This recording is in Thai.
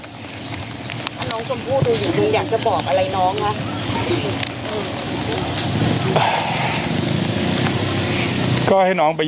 น้องสมผู้ตอนนี้คุณอยากจะบอกอะไรนะ